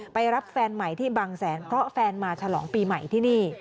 ไปรับแฟนใหม่ที่บางแสนเพราะแฟนมาฉลองปีใหม่ที่นี่